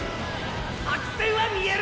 白線は見える！